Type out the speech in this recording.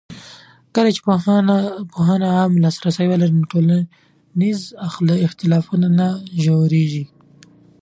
کله چې پوهنه عامه لاسرسی ولري، ټولنیز اختلافونه نه ژورېږي.